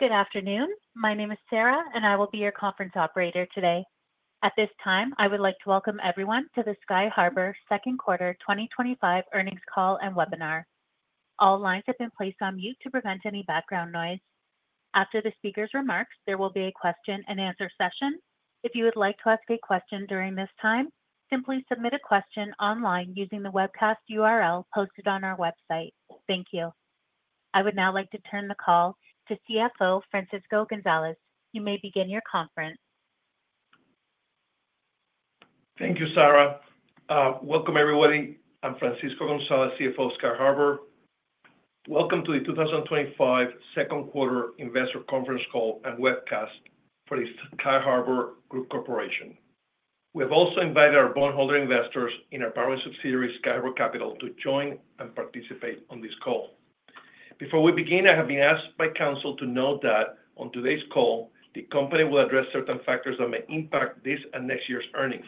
Good afternoon. My name is Sarah, and I will be your conference operator today. At this time, I would like to welcome everyone to the Sky Harbour Second Quarter 2025 Earnings Call and Webinar. All lines have been placed on mute to prevent any background noise. After the speaker's remarks, there will be a question and answer session. If you would like to ask a question during this time, simply submit a question online using the webcast URL posted on our website. Thank you. I would now like to turn the call to CFO Francisco Gonzalez. You may begin your conference. Thank you, Sarah. Welcome, everybody. I'm Francisco Gonzalez, CFO of Sky Harbour. Welcome to the 2025 Second Quarter Investor Conference Call and Webcast for the Sky Harbour Group Corporation. We have also invited our bondholder investors in our parent subsidiary, Sky Harbour Capital, to join and participate on this call. Before we begin, I have been asked by counsel to note that on today's call, the company will address certain factors that may impact this and next year's earnings.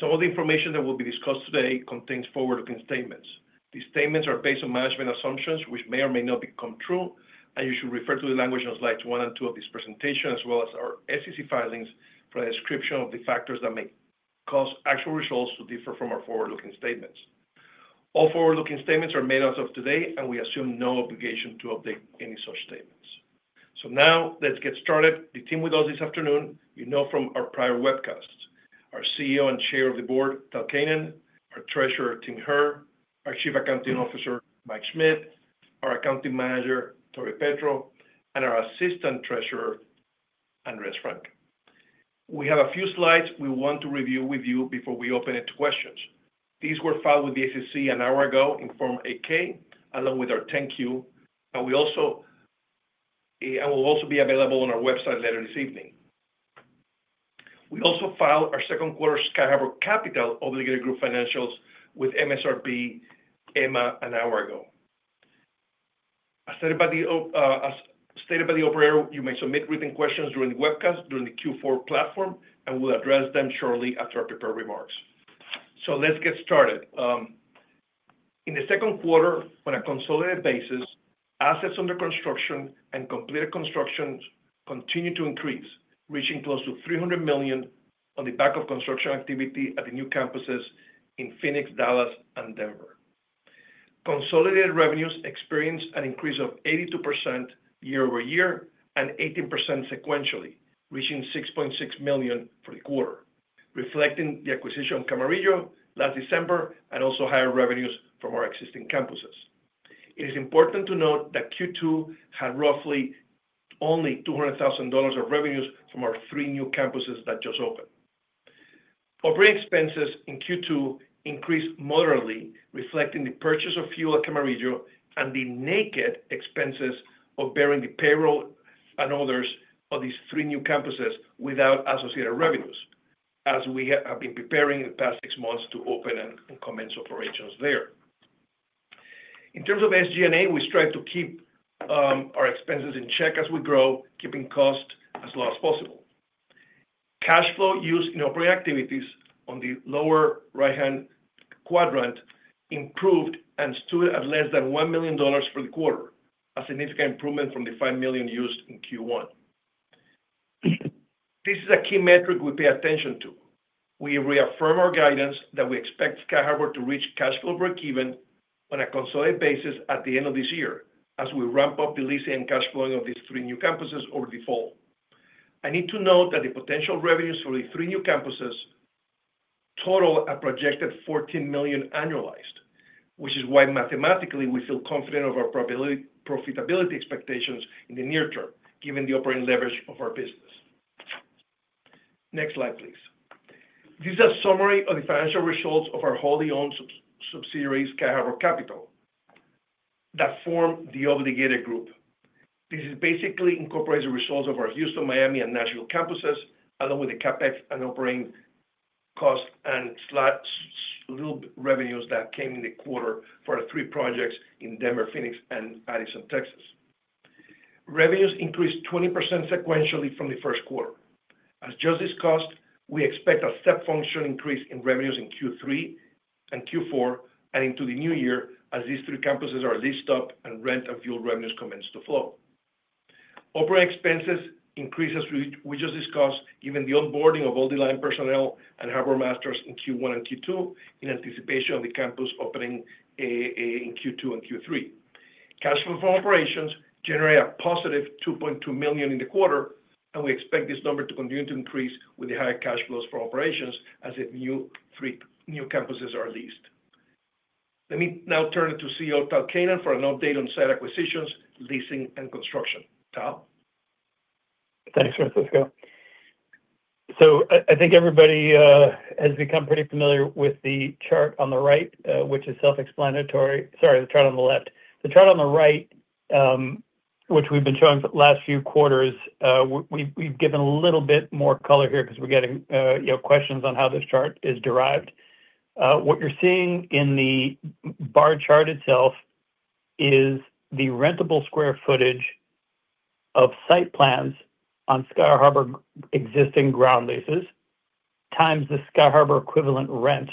Some of the information that will be discussed today contains forward-looking statements. These statements are based on management assumptions, which may or may not become true, and you should refer to the language on slides one and two of this presentation, as well as our SEC filings for a description of the factors that may cause actual results to differ from our forward-looking statements. All forward-looking statements are made as of today, and we assume no obligation to update any such statements. Let's get started. The team with us this afternoon, you know from our prior webcasts, our CEO and Chair of the Board, Tal Keinan, our Treasurer, Tim Herr, our Chief Accounting Officer, Mike Schmitt, our Accounting Manager, Tory Petro, and our Assistant Treasurer, Andres Frank. We have a few slides we want to review with you before we open it to questions. These were filed with the SEC an hour ago in Form 8-K, along with our thank you, and will also be available on our website later this evening. We also filed our Second Quarter Sky Harbour Capital Obligated Group Financials with MSRB, EMMA, an hour ago. As stated by the operator, you may submit written questions during the webcast through the Q4 platform, and we will address them shortly after our prepared remarks. In the second quarter, on a consolidated basis, assets under construction and completed construction continue to increase, reaching close to $300 million on the back of construction activity at the new campuses in Phoenix, Dallas, and Denver. Consolidated revenues experienced an increase of 82% year-over-year and 18% sequentially, reaching $6.6 million for the quarter, reflecting the acquisition of Camarillo last December and also higher revenues from our existing campuses. It is important to note that Q2 had roughly only $200,000 of revenues from our three new campuses that just opened. Operating expenses in Q2 increased moderately, reflecting the purchase of fuel at Camarillo and the naked expenses of bearing the payroll and others of these three new campuses without associated revenues, as we have been preparing in the past six months to open and commence operations there. In terms of SG&A, we strive to keep our expenses in check as we grow, keeping costs as low as possible. Cash flow used in operating activities on the lower right-hand quadrant improved and stood at less than $1 million for the quarter, a significant improvement from the $5 million used in Q1. This is a key metric we pay attention to. We reaffirm our guidance that we expect Sky Harbour to reach cash flow breakeven on a consolidated basis at the end of this year, as we ramp up the leasing and cash flowing of these three new campuses over the fall. I need to note that the potential revenues for the three new campuses total a projected $14 million annualized, which is why mathematically we feel confident of our profitability expectations in the near term, given the operating leverage of our business. Next slide, please. This is a summary of the financial results of our wholly owned subsidiary, Sky Harbour Capital, that form the Obligated Group. This basically incorporates the results of our Houston, Miami, and Nashville campuses, along with the CapEx and operating costs and little revenues that came in the quarter for our three projects in Denver, Phoenix, and Addison, Texas. Revenues increased 20% sequentially from the first quarter. As just discussed, we expect a step function increase in revenues in Q3 and Q4 and into the new year as these three campuses are leased up and rent and fuel revenues commence to flow. Operating expenses increase, as we just discussed, given the onboarding of all the line personnel and Harbour Masters in Q1 and Q2 in anticipation of the campus opening in Q2 and Q3. Cash flow from operations generated a positive $2.2 million in the quarter, and we expect this number to continue to increase with the higher cash flows from operations as if new three new campuses are leased. Let me now turn it to CEO Tal Keinan for an update on site acquisitions, leasing, and construction. Thanks, Francisco. I think everybody has become pretty familiar with the chart on the right, which is self-explanatory. Sorry, the chart on the left. The chart on the right, which we've been showing for the last few quarters, we've given a little bit more color here because we're getting questions on how this chart is derived. What you're seeing in the bar chart itself is the rentable square footage of site plans on Sky Harbour existing ground leases times the Sky Harbour equivalent rent,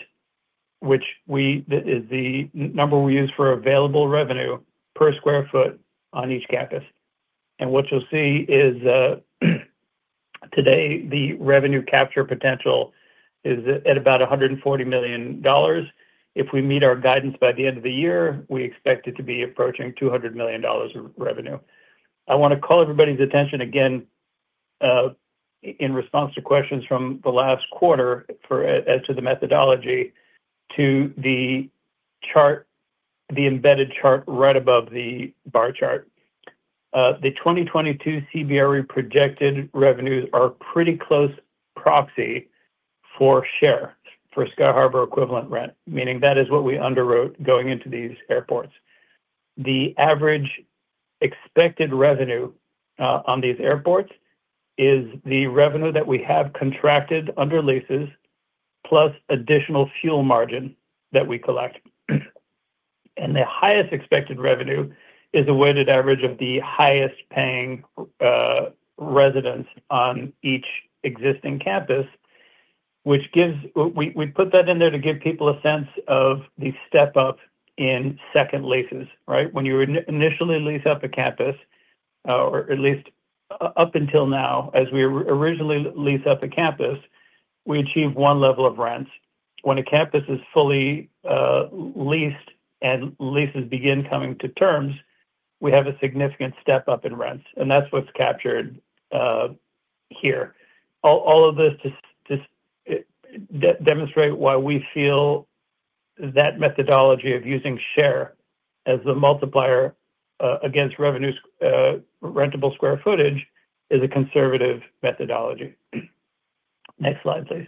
which is the number we use for available revenue per square foot on each campus. What you'll see is today the revenue capture potential is at about $140 million. If we meet our guidance by the end of the year, we expect it to be approaching $200 million of revenue. I want to call everybody's attention again in response to questions from the last quarter as to the methodology to the chart, the embedded chart right above the bar chart. The 2022 CBRE projected revenues are a pretty close proxy for share for Sky Harbour equivalent rent, meaning that is what we underwrote going into these airports. The average expected revenue on these airports is the revenue that we have contracted under leases plus additional fuel margin that we collect. The highest expected revenue is a weighted average of the highest paying residents on each existing campus, which gives we put that in there to give people a sense of the step up in second leases. When you initially lease up a campus, or at least up until now, as we originally leased up a campus, we achieved one level of rent. When a campus is fully leased and leases begin coming to terms, we have a significant step up in rent. That's what's captured here. All of this to demonstrate why we feel that methodology of using share as the multiplier against revenues rentable square footage is a conservative methodology. Next slide, please.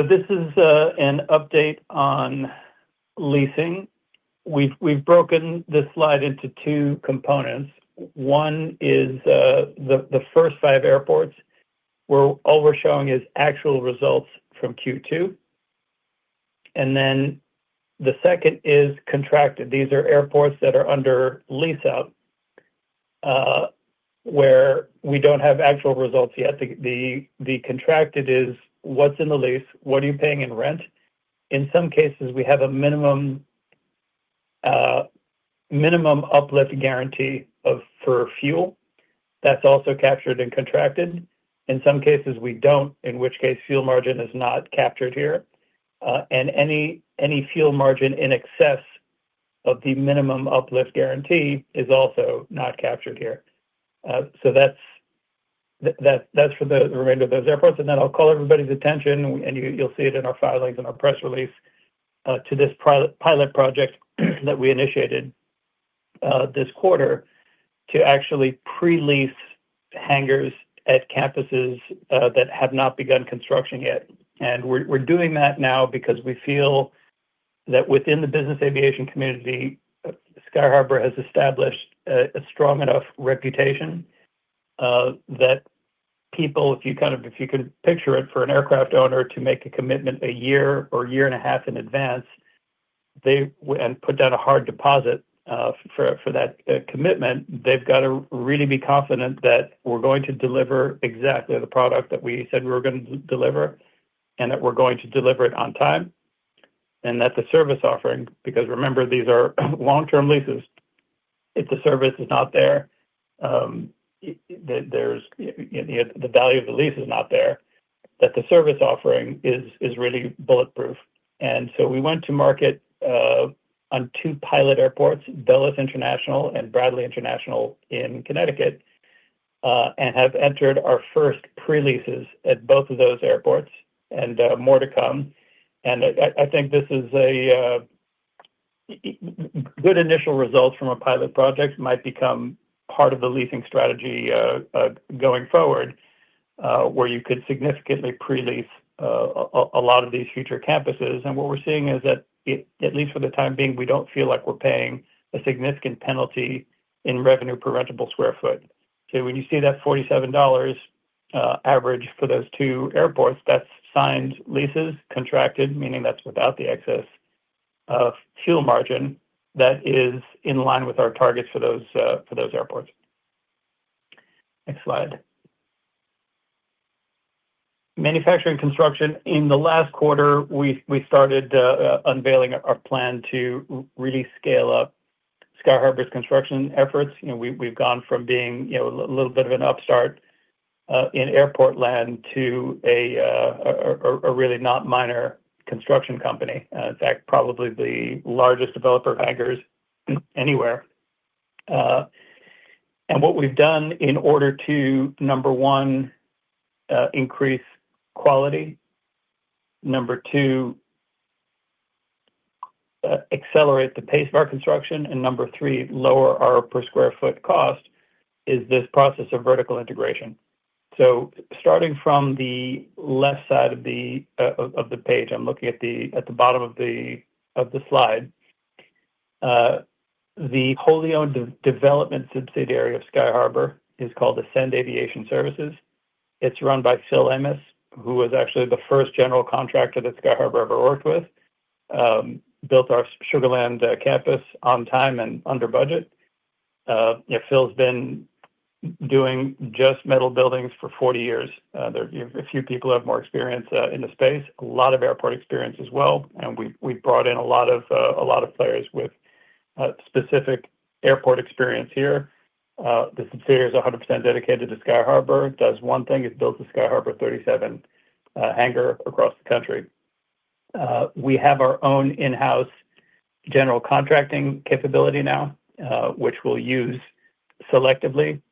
This is an update on leasing. We've broken this slide into two components. One is the first five airports. What we're showing is actual results from Q2. The second is contracted. These are airports that are under lease out where we don't have actual results yet. The contracted is what's in the lease, what are you paying in rent? In some cases, we have a minimum uplift guarantee for fuel. That's also captured in contracted. In some cases, we don't, in which case fuel margin is not captured here. Any fuel margin in excess of the minimum uplift guarantee is also not captured here. That is for the remainder of those airports. I will call everybody's attention, and you'll see it in our filings and our press release, to this pilot project that we initiated this quarter to actually pre-lease hangars at campuses that have not begun construction yet. We are doing that now because we feel that within the business aviation community, Sky Harbour has established a strong enough reputation that people, if you can picture it, for an aircraft owner to make a commitment a year or a year and a half in advance and put down a hard deposit for that commitment, they've got to really be confident that we're going to deliver exactly the product that we said we were going to deliver and that we're going to deliver it on time. The service offering, because remember, these are long-term leases, if the service is not there, the value of the lease is not there, that the service offering is really bulletproof. We went to market on two pilot airports, Dulles International and Bradley International in Connecticut, and have entered our first pre-leases at both of those airports, and more to come. I think this is a good initial result from a pilot project. It might become part of the leasing strategy going forward where you could significantly pre-lease a lot of these future campuses. What we're seeing is that, at least for the time being, we don't feel like we're paying a significant penalty in revenue per rentable square foot. When you see that $47 average for those two airports, that's signed leases, contracted, meaning that's without the excess of fuel margin that is in line with our targets for those airports. Next slide. Manufacturing construction. In the last quarter, we started unveiling our plan to really scale up Sky Harbour's construction efforts. We've gone from being a little bit of an upstart in airport land to a really not minor construction company. In fact, probably the largest developer of hangars anywhere. What we've done in order to, number one, increase quality, number two, accelerate the pace of our construction, and number three, lower our per square foot cost, is this process of vertical integration. Starting from the left side of the page, I'm looking at the bottom of the slide. The wholly owned development subsidiary of Sky Harbour is called Ascend Aviation Services. It's run by Phil Emes, who was actually the first general contractor that Sky Harbour ever worked with, built our Sugar Land campus on time and under budget. Phil's been doing just metal buildings for 40 years. Few people have more experience in the space, a lot of airport experience as well, and we've brought in a lot of players with specific airport experience here. The subsidiary is 100% dedicated to Sky Harbour. It does one thing, it's built a Sky Harbour 37 hangar across the country. We have our own in-house general contracting capability now, which we'll use selectively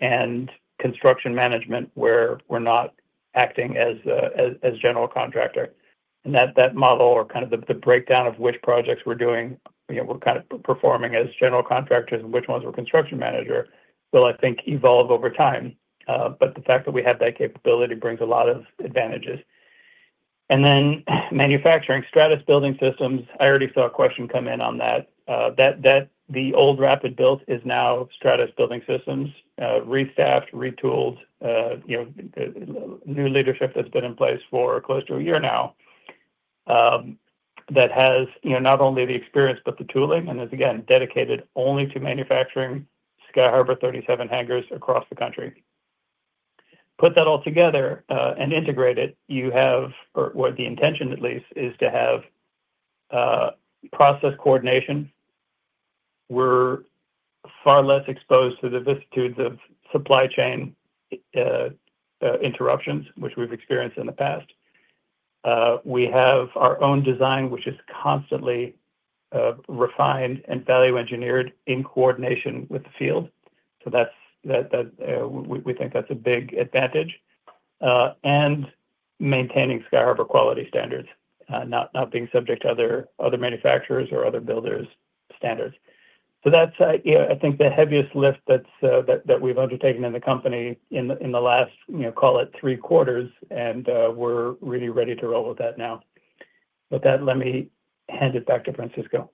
and construction management where we're not acting as a general contractor. That model, or kind of the breakdown of which projects we're doing, you know, we're kind of performing as general contractors and which ones we're construction manager, will I think evolve over time. The fact that we have that capability brings a lot of advantages. Then manufacturing, Stratus Building Systems, I already saw a question come in on that. The old Rapid Built is now Stratus Building Systems, restaffed, retooled, new leadership that's been in place for close to a year now that has, you know, not only the experience but the tooling and is, again, dedicated only to manufacturing Sky Harbour 37 hangars across the country. Put that all together and integrate it, you have, or what the intention at least is to have process coordination. We're far less exposed to the vicissitudes of supply chain interruptions, which we've experienced in the past. We have our own design, which is constantly refined and value engineered in coordination with the field. We think that's a big advantage. Maintaining Sky Harbour quality standards, not being subject to other manufacturers or other builders' standards, is important. I think the heaviest lift that we've undertaken in the company in the last, call it three quarters, and we're really ready to roll with that now. With that, let me hand it back to Francisco.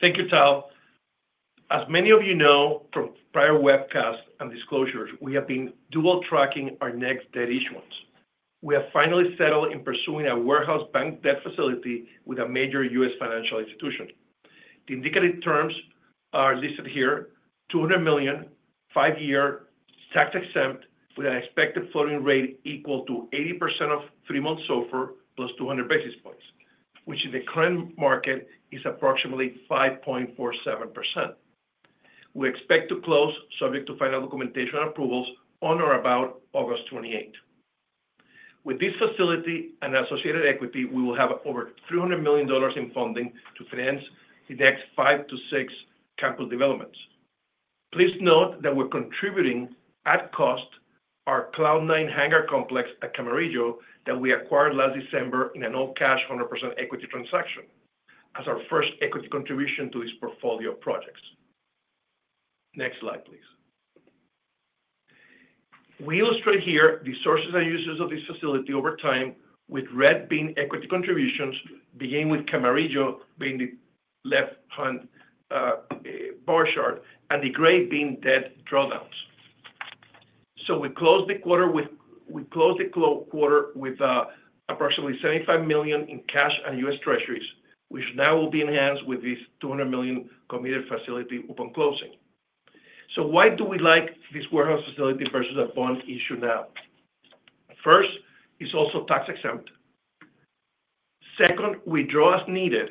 Thank you, Tal. As many of you know from prior webcasts and disclosures, we have been dual tracking our net debt issuance. We have finally settled in pursuing a warehouse bank debt facility with a major U.S. financial institution. The indicated terms are listed here: $200 million, five-year, tax-exempt, with an expected floating rate equal to 80% of three months' SOFR plus 200 basis points, which in the current market is approximately 5.47%. We expect to close, subject to final documentation and approvals, on or about August 28. With this facility and associated equity, we will have over $300 million in funding to finance the next five to six campus developments. Please note that we're contributing at cost our CloudNine hangar complex at Camarillo that we acquired last December in an all-cash, 100% equity transaction as our first equity contribution to this portfolio of projects. Next slide, please. We illustrate here the sources and uses of this facility over time with red being equity contributions, beginning with Camarillo being the left-hand bar chart and the gray being debt drawdowns. We closed the quarter with approximately $75 million in cash and U.S. treasuries, which now will be enhanced with this $200 million committed facility upon closing. Why do we like this warehouse facility versus a bond issue now? First, it's also tax-exempt. Second, we draw as needed,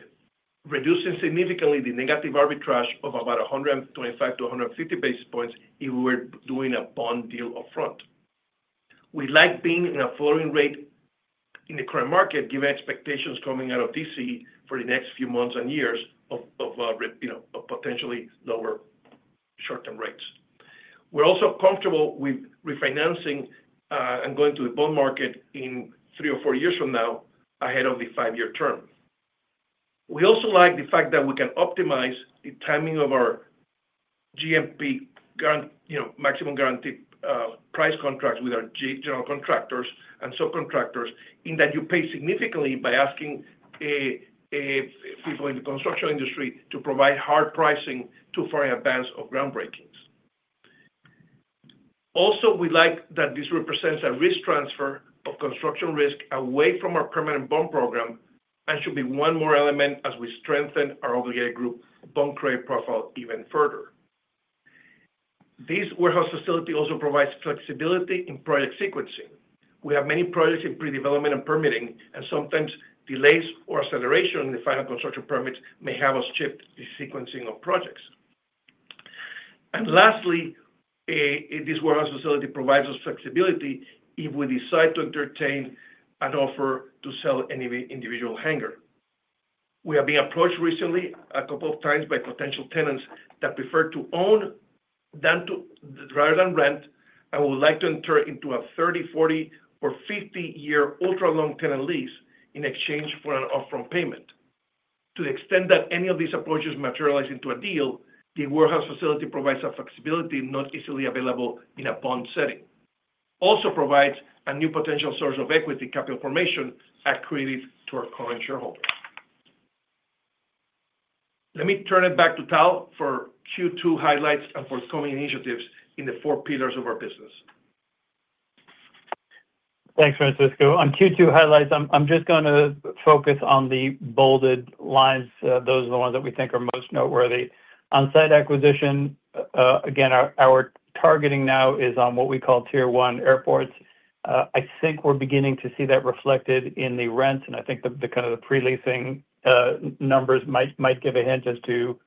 reducing significantly the negative arbitrage of about 125-150 basis points if we were doing a bond deal upfront. We like being in a floating rate in the current market, given expectations coming out of D.C., for the next few months and years of potentially lower short-term rates. We're also comfortable with refinancing and going to the bond market in three or four years from now, ahead of the five-year term. We also like the fact that we can optimize the timing of our GMP, you know, maximum guaranteed price contracts with our general contractors and subcontractors, in that you pay significantly by asking people in the construction industry to provide hard pricing too far in advance of groundbreakings. We like that this represents a risk transfer of construction risk away from our permanent bond program and should be one more element as we strengthen our obligated group bond credit profile even further. This warehouse facility also provides flexibility in project sequencing. We have many projects in pre-development and permitting, and sometimes delays or acceleration in the final construction permits may have us shift the sequencing of projects. Lastly, this warehouse facility provides us flexibility if we decide to entertain an offer to sell any individual hangar. We have been approached recently a couple of times by potential tenants that prefer to own rather than rent and would like to enter into a 30, 40, or 50-year ultra-long tenant lease in exchange for an upfront payment. To the extent that any of these approaches materialize into a deal, the warehouse facility provides a flexibility not easily available in a bond setting. It also provides a new potential source of equity capital formation accretive to our current shareholder. Let me turn it back to Tal for Q2 highlights and forthcoming initiatives in the four pillars of our business. Thanks, Francisco. On Q2 highlights, I'm just going to focus on the bolded lines. Those are the ones that we think are most noteworthy. On site acquisition, again, our targeting now is on what we call tier one airports. I think we're beginning to see that reflected in the rent, and I think the kind of the pre-leasing numbers might give a hint as to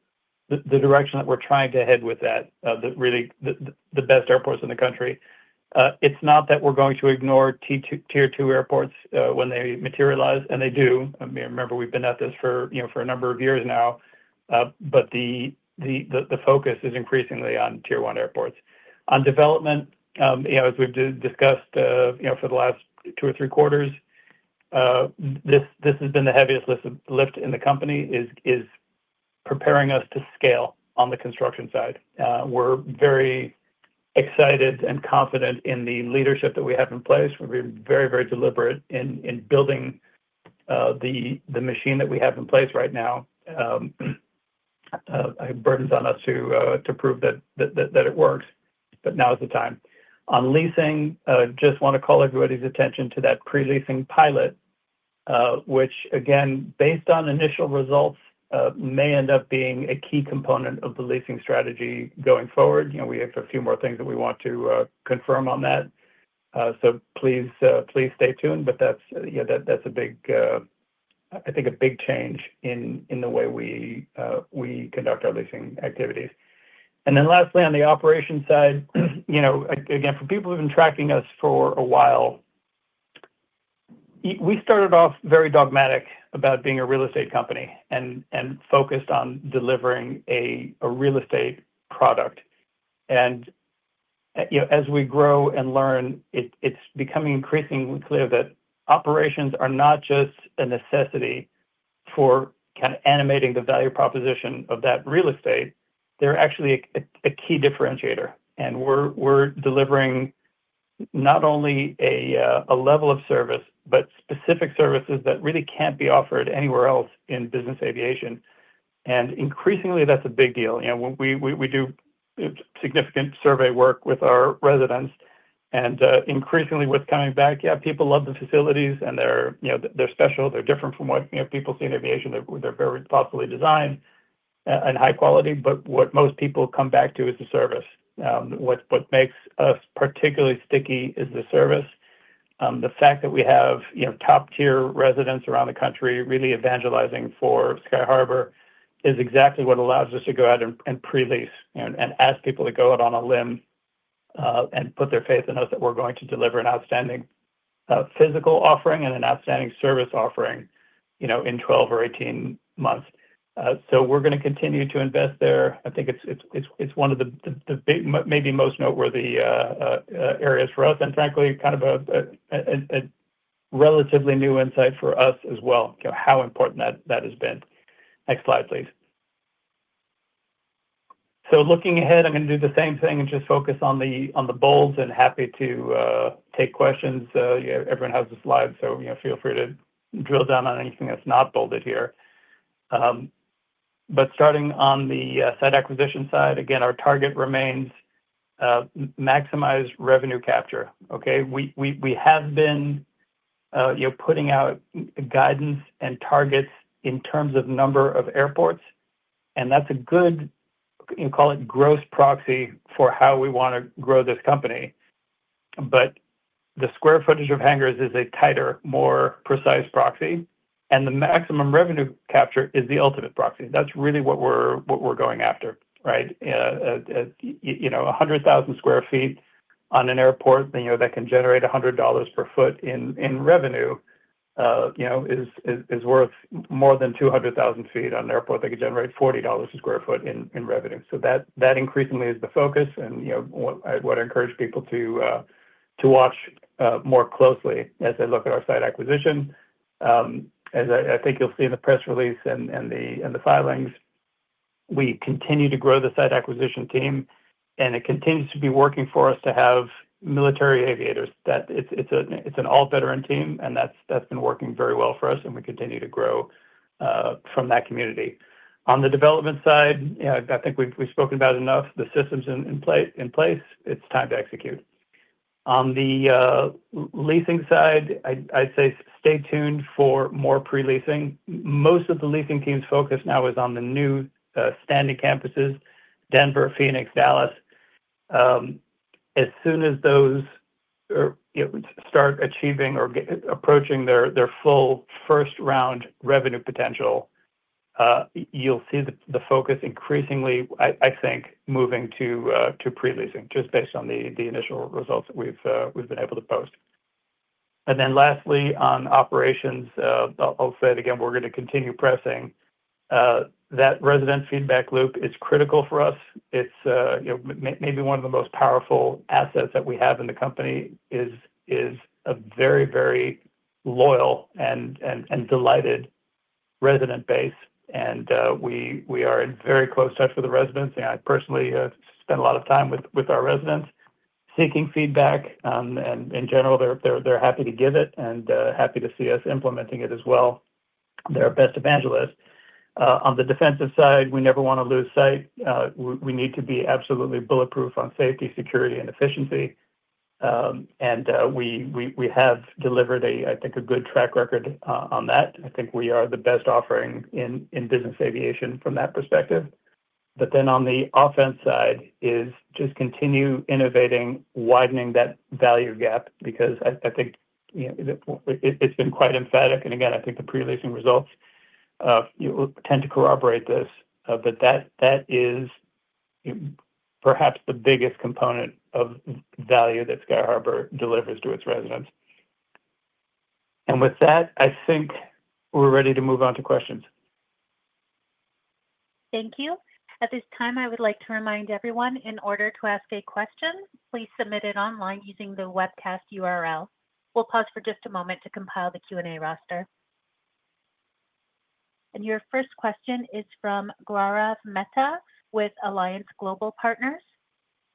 the direction that we're trying to head with that, really the best airports in the country. It's not that we're going to ignore tier two airports when they materialize, and they do. I mean, remember, we've been at this for a number of years now. The focus is increasingly on tier one airports. On development, as we've discussed for the last two or three quarters, this has been the heaviest lift in the company, is preparing us to scale on the construction side. We're very excited and confident in the leadership that we have in place. We've been very, very deliberate in building the machine that we have in place right now. It burdens on us to prove that it works, but now is the time. On leasing, I just want to call everybody's attention to that pre-leasing pilot, which, again, based on initial results, may end up being a key component of the leasing strategy going forward. We have a few more things that we want to confirm on that. Please, please stay tuned, but that's a big, I think, a big change in the way we conduct our leasing activities. Lastly, on the operations side, again, for people who've been tracking us for a while, we started off very dogmatic about being a real estate company and focused on delivering a real estate product. As we grow and learn, it's becoming increasingly clear that operations are not just a necessity for kind of animating the value proposition of that real estate. They're actually a key differentiator. We're delivering not only a level of service, but specific services that really can't be offered anywhere else in business aviation. Increasingly, that's a big deal. We do significant survey work with our residents, and increasingly with coming back, yeah, people love the facilities and they're special. They're different from what people see in aviation. They're very thoughtfully designed and high quality, but what most people come back to is the service. What makes us particularly sticky is the service. The fact that we have top-tier residents around the country really evangelizing for Sky Harbour is exactly what allows us to go out and pre-lease and ask people to go out on a limb and put their faith in us that we're going to deliver an outstanding physical offering and an outstanding service offering in 12 or 18 months. We're going to continue to invest there. I think it's one of the maybe most noteworthy areas for us, and frankly, kind of a relatively new insight for us as well, how important that has been. Next slide, please. Looking ahead, I'm going to do the same thing and just focus on the bolds and happy to take questions. Everyone has the slides, so feel free to drill down on anything that's not bolded here. Starting on the site acquisition side, again, our target remains maximized revenue capture. We have been putting out guidance and targets in terms of number of airports, and that's a good, you can call it gross proxy for how we want to grow this company. The square footage of hangars is a tighter, more precise proxy, and the maximum revenue capture is the ultimate proxy. That's really what we're going after, right? 100,000 sq ft on an airport that can generate $100 per ft in revenue is worth more than 200,000 ft on an airport that could generate $40 a sq ft in revenue. That increasingly is the focus, and what I encourage people to watch more closely as they look at our site acquisition. As I think you'll see in the press release and the filings, we continue to grow the site acquisition team, and it continues to be working for us to have military aviators. It's an all-veteran team, and that's been working very well for us, and we continue to grow from that community. On the development side, I think we've spoken about it enough. The system's in place. It's time to execute. On the leasing side, I'd say stay tuned for more pre-leasing. Most of the leasing team's focus now is on the new standing campuses, Denver, Phoenix, Dallas. As soon as those start achieving or approaching their full first round revenue potential, you'll see the focus increasingly, I think, moving to pre-leasing, just based on the initial results that we've been able to post. Lastly, on operations, I'll say it again, we're going to continue pressing. That resident feedback loop is critical for us. It's maybe one of the most powerful assets that we have in the company, a very, very loyal and delighted resident base. We are in very close touch with the residents. I personally spend a lot of time with our residents seeking feedback, and in general, they're happy to give it and happy to see us implementing it as well. They're our best evangelists. On the defensive side, we never want to lose sight. We need to be absolutely bulletproof on safety, security, and efficiency. We have delivered, I think, a good track record on that. I think we are the best offering in business aviation from that perspective. On the offense side, just continue innovating, widening that value gap because I think it's been quite emphatic, and again, I think the pre-leasing results tend to corroborate this, but that is perhaps the biggest component of value that Sky Harbour delivers to its residents. With that, I think we're ready to move on to questions. Thank you. At this time, I would like to remind everyone, in order to ask a question, please submit it online using the webcast URL. We'll pause for just a moment to compile the Q&A roster. Your first question is from Gaurav Mehta with Alliance Global Partners.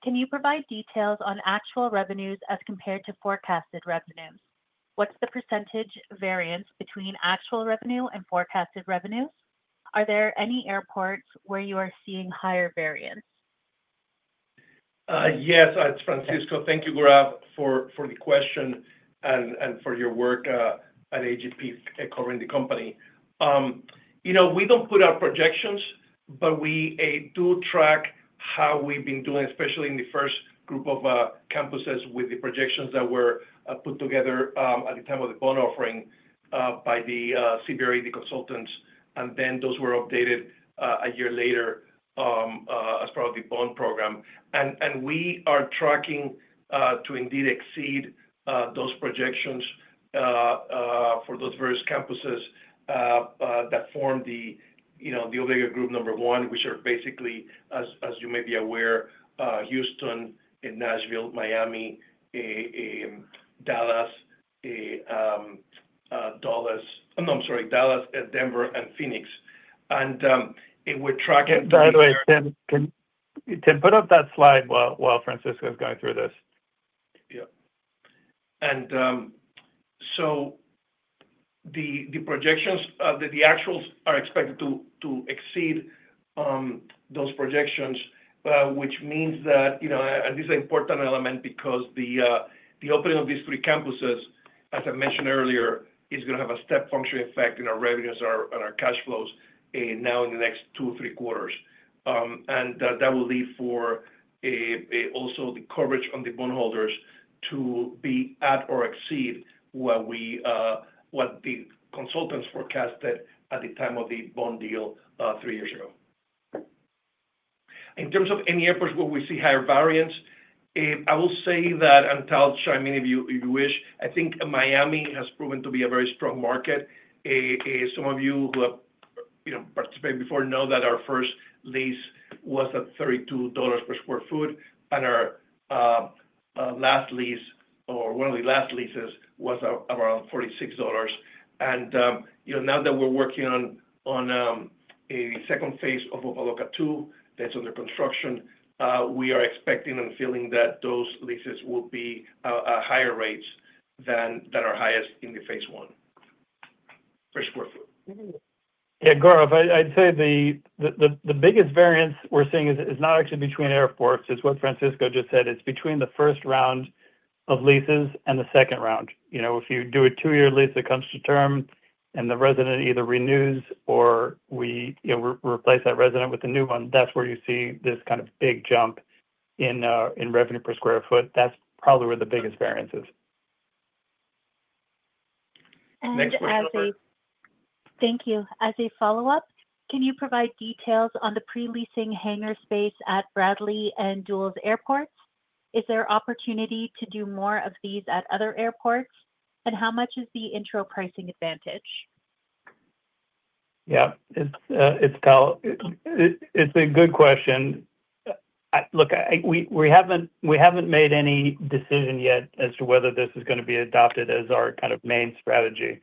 Can you provide details on actual revenues as compared to forecasted revenues? What's the percentage variance between actual revenue and forecasted revenues? Are there any airports where you are seeing higher variance? Yes, it's Francisco. Thank you, Guarav, for the question and for your work at AGP covering the company. You know, we don't put out projections, but we do track how we've been doing, especially in the first group of campuses with the projections that were put together at the time of the bond offering by CBRE, the consultants, and then those were updated a year later as part of the bond program. We are tracking to indeed exceed those projections for those various campuses that form the Obligated Group number one, which are basically, as you may be aware, Houston, Nashville, Miami, Dallas, Denver, and Phoenix. We're tracking— By the way, Tim, can you put up that slide while Francisco is going through this? Yeah. The projections, the actuals are expected to exceed those projections, which means that, you know, this is an important element because the opening of these three campuses, as I mentioned earlier, is going to have a step function effect in our revenues and our cash flows in the next two or three quarters. That will lead for also the coverage on the bondholders to be at or exceed what the consultants forecasted at the time of the bond deal three years ago. In terms of any airports where we see higher variance, I will say that, and Tal, chime in if you wish, I think Miami has proven to be a very strong market. Some of you who have, you know, participated before know that our first lease was at $32 per sq ft and our last lease, or one of the last leases, was around $46. Now that we're working on a second phase of Opa-Locka 2 that's under construction, we are expecting and feeling that those leases will be at higher rates than our highest in the phase I. Guarav, I'd say the biggest variance we're seeing is not actually between airports. It's what Francisco just said. It's between the first round of leases and the second round. You know, if you do a two-year lease that comes to term and the resident either renews or we, you know, replace that resident with a new one, that's where you see this kind of big jump in revenue per square foot. That's probably where the biggest variance is. Thank you. As a follow-up, can you provide details on the pre-leasing hangar space at Bradley International and Dulles International airports? Is there opportunity to do more of these at other airports? How much is the intro pricing advantage? Yeah, it's a good question. Look, we haven't made any decision yet as to whether this is going to be adopted as our kind of main strategy.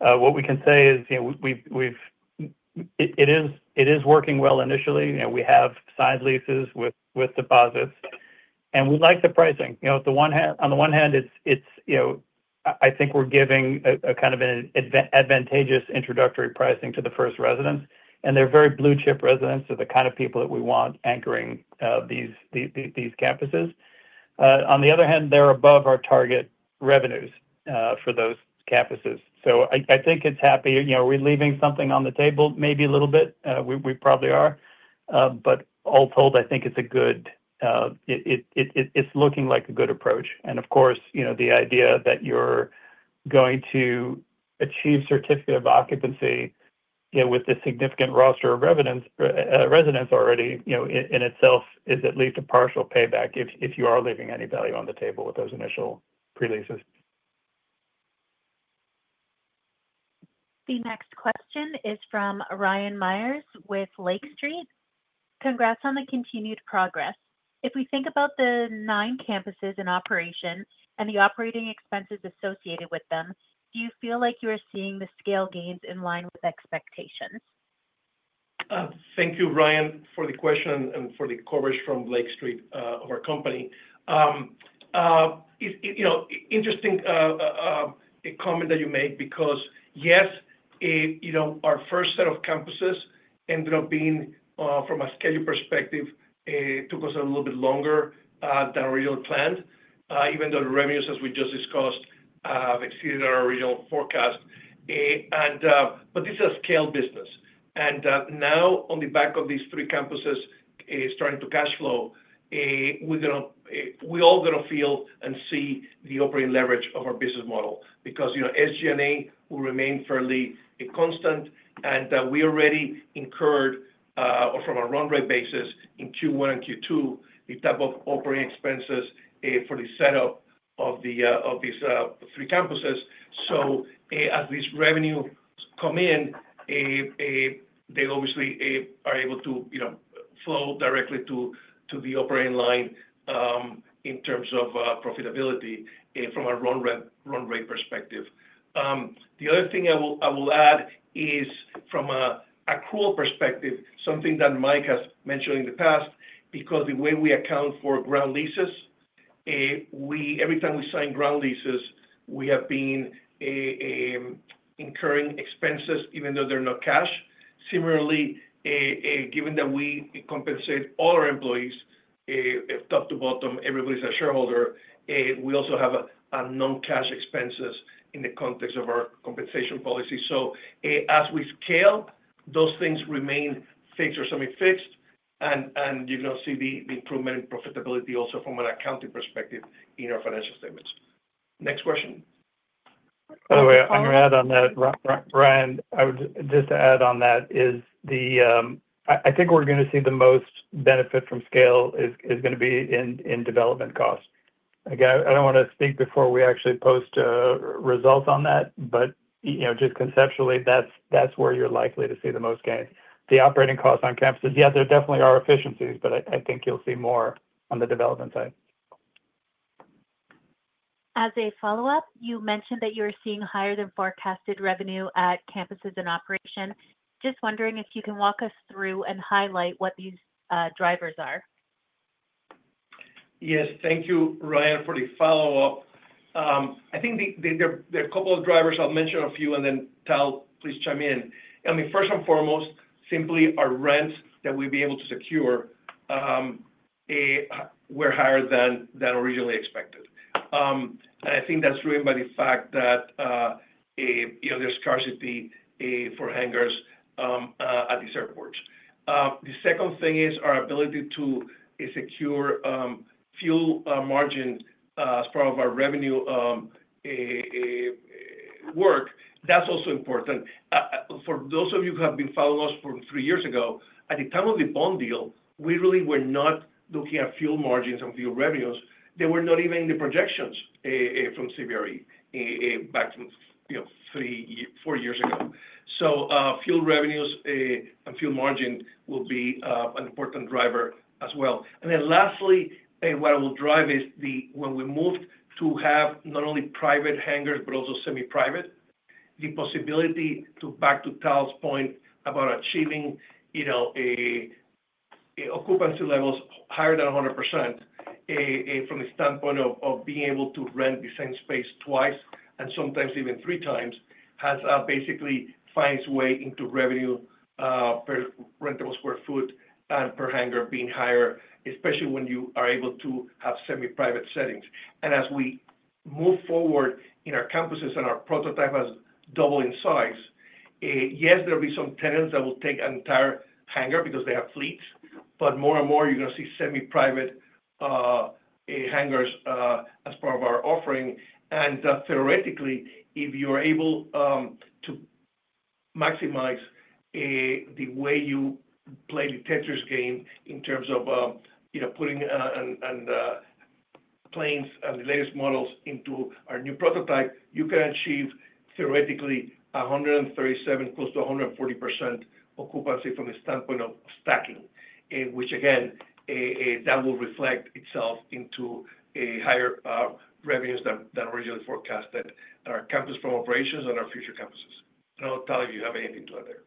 What we can say is, you know, it is working well initially, and we have signed leases with deposits. We like the pricing. You know, on the one hand, I think we're giving a kind of an advantageous introductory pricing to the first residents, and they're very blue chip residents. They're the kind of people that we want anchoring these campuses. On the other hand, they're above our target revenues for those campuses. I think it's happy. Are we leaving something on the table? Maybe a little bit. We probably are. All told, I think it's looking like a good approach. Of course, the idea that you're going to achieve certificate of occupancy with a significant roster of residents already, in itself is at least a partial payback if you are leaving any value on the table with those initial pre-leases. The next question is from Ryan Meyers with Lake Street. Congrats on the continued progress. If we think about the nine campuses in operation and the operating expenses associated with them, do you feel like you are seeing the scale gains in line with expectations? Thank you, Ryan, for the question and for the coverage from Lake Street of our company. Interesting comment that you made because, yes, our first set of campuses ended up being, from a schedule perspective, it took us a little bit longer than originally planned, even though the revenues, as we just discussed, have exceeded our original forecast. This is a scaled business. Now, on the back of these three campuses starting to cash flow, we're all going to feel and see the operating leverage of our business model because SG&A will remain fairly constant. We already incurred, or from a run rate basis, in Q1 and Q2, the type of operating expenses for the setup of these three campuses. As these revenues come in, they obviously are able to flow directly to the operating line in terms of profitability from a run rate perspective. The other thing I will add is, from an accrual perspective, something that Mike has mentioned in the past, because the way we account for ground leases, every time we sign ground leases, we have been incurring expenses, even though they're not cash. Similarly, given that we compensate all our employees, top to bottom, everybody's a shareholder, we also have non-cash expenses in the context of our compensation policy. As we scale, those things remain fixed or semi-fixed, and you're going to see the improvement in profitability also from an accounting perspective in our financial statements. Next question. By the way, I'm going to add on that, Ryan, I would just add on that the, I think we're going to see the most benefit from scale is going to be in development costs. Again, I don't want to speak before we actually post results on that, but you know, just conceptually, that's where you're likely to see the most gains. The operating costs on campuses, yes, there definitely are efficiencies, but I think you'll see more on the development side. As a follow-up, you mentioned that you are seeing higher than forecasted revenue at campuses in operation. Just wondering if you can walk us through and highlight what these drivers are. Yes, thank you, Ryan, for the follow-up. I think there are a couple of drivers. I'll mention a few, and then Tal, please chime in. First and foremost, simply our rents that we've been able to secure were higher than originally expected. I think that's driven by the fact that there's scarcity for hangars at these airports. The second thing is our ability to secure fuel margin as part of our revenue work. That's also important. For those of you who have been following us from three years ago, at the time of the bond deal, we really were not looking at fuel margins and fuel revenues. They were not even in the projections from CBRE back three or four years ago. Fuel revenues and fuel margin will be an important driver as well. Lastly, what I will drive is when we move to have not only private hangars, but also semi-private, the possibility to, back to Tal's point about achieving occupancy levels higher than 100% from the standpoint of being able to rent the same space twice and sometimes even three times has basically found its way into revenue per rentable square foot and per hangar being higher, especially when you are able to have semi-private settings. As we move forward in our campuses and our prototype has doubled in size, yes, there will be some tenants that will take an entire hangar because they have fleets, but more and more, you're going to see semi-private hangars as part of our offering. Theoretically, if you're able to maximize the way you play the Tetris game in terms of putting planes and the latest models into our new prototype, you can achieve theoretically 137%, close to 140% occupancy from the standpoint of stacking, which again, that will reflect itself into higher revenues than originally forecasted at our campus from operations and our future campuses. I don't know, Tal, if you have anything to add there.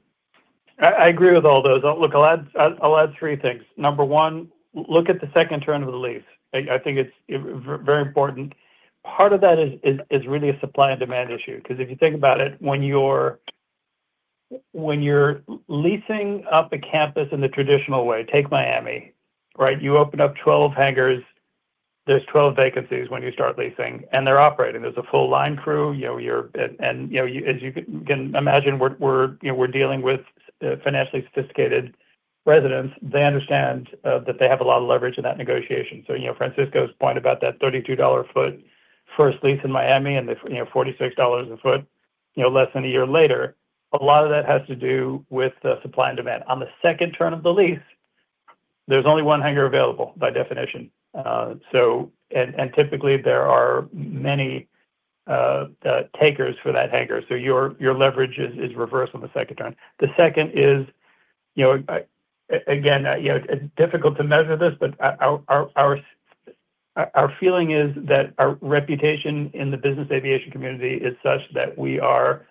I agree with all those. I'll add three things. Number one, look at the second turn of the lease. I think it's very important. Part of that is really a supply and demand issue, because if you think about it, when you're leasing up a campus in the traditional way, take Miami, right? You open up 12 hangars, there's 12 vacancies when you start leasing, and they're operating. There's a full line crew, you know, and as you can imagine, we're dealing with financially sophisticated residents. They understand that they have a lot of leverage in that negotiation. Francisco's point about that $32 a foot first lease in Miami and the $46 a foot less than a year later, a lot of that has to do with the supply and demand. On the second turn of the lease, there's only one hangar available by definition. Typically, there are many takers for that hangar. Your leverage is reversed on the second turn. The second is, again, it's difficult to measure this, but our feeling is that our reputation in the business aviation community is such that we are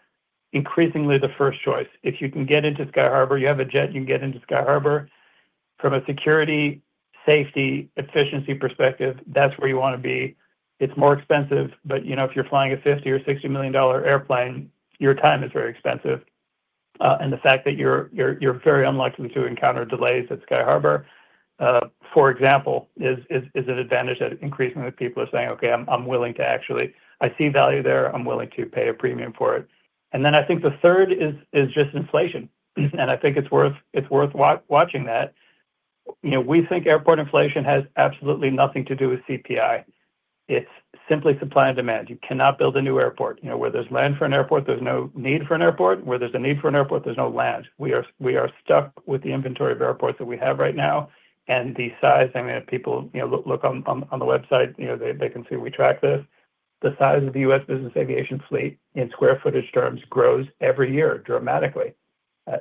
increasingly the first choice. If you can get into Sky Harbour, you have a jet, you can get into Sky Harbour. From a security, safety, efficiency perspective, that's where you want to be. It's more expensive, but if you're flying a $50 million or $60 million airplane, your time is very expensive. The fact that you're very unlikely to encounter delays at Sky Harbour, for example, is an advantage that increasingly people are saying, "Okay, I see value there. I'm willing to pay a premium for it." I think the third is just inflation. I think it's worth watching that. We think airport inflation has absolutely nothing to do with CPI. It's simply supply and demand. You cannot build a new airport. Where there's land for an airport, there's no need for an airport. Where there's a need for an airport, there's no land. We are stuck with the inventory of airports that we have right now. If people look on the website, they can see we track this. The size of the U.S. business aviation fleet in square footage terms grows every year dramatically.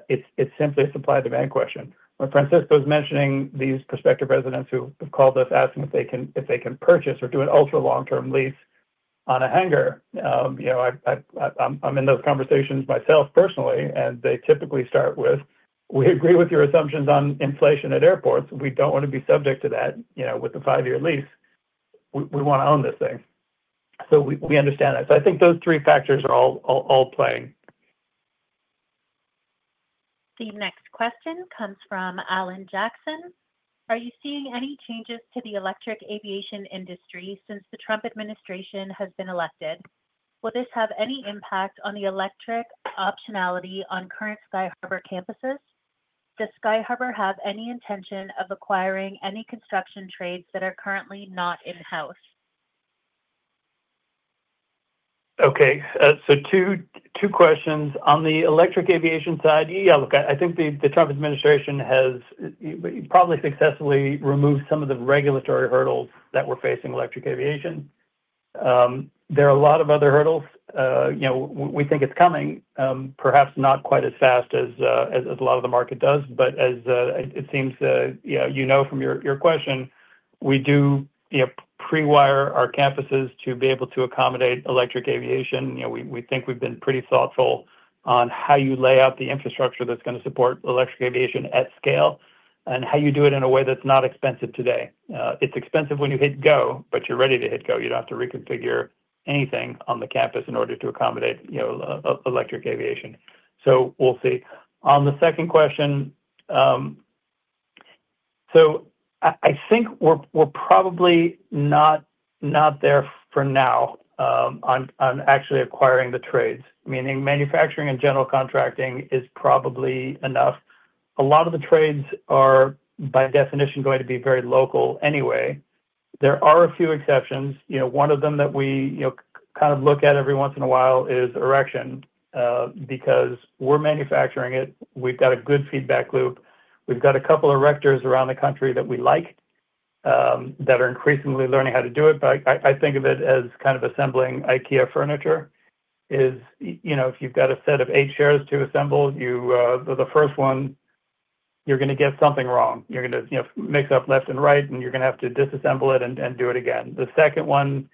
It's simply a supply and demand question. When Francisco is mentioning these prospective residents who have called us asking if they can purchase or do an ultra-long-term lease on a hangar, I'm in those conversations myself personally, and they typically start with, "We agree with your assumptions on inflation at airports. We don't want to be subject to that with a five-year lease. We want to own this thing." We understand that. I think those three factors are all playing. The next question comes from Alan Jackson. Are you seeing any changes to the electric aviation industry since the Trump administration has been elected? Will this have any impact on the electric optionality on current Sky Harbour campuses? Does Sky Harbour have any intention of acquiring any construction trades that are currently not in-house? Okay, two questions. On the electric aviation side, I think the Trump administration has probably successfully removed some of the regulatory hurdles that we're facing in electric aviation. There are a lot of other hurdles. We think it's coming, perhaps not quite as fast as a lot of the market does, but as it seems from your question, we do pre-wire our campuses to be able to accommodate electric aviation. We think we've been pretty thoughtful on how you lay out the infrastructure that's going to support electric aviation at scale and how you do it in a way that's not expensive today. It's expensive when you hit go, but you're ready to hit go. You don't have to reconfigure anything on the campus in order to accommodate electric aviation. We'll see. On the second question, I think we're probably not there for now on actually acquiring the trades, meaning manufacturing and general contracting is probably enough. A lot of the trades are, by definition, going to be very local anyway. There are a few exceptions. One of them that we kind of look at every once in a while is erection because we're manufacturing it. We've got a good feedback loop. We've got a couple of erectors around the country that we like that are increasingly learning how to do it. I think of it as kind of assembling IKEA furniture. If you've got a set of eight chairs to assemble, the first one, you're going to get something wrong. You're going to mix up left and right, and you're going to have to disassemble it and do it again. The second one,